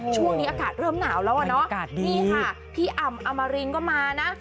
ช่วงนี้อากาศเริ่มหนาวแล้วอ่ะเนาะนี่ค่ะพี่อ่ำอมรินก็มานะ